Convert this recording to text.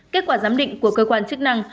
kết quả giám định của cơ quan chức năng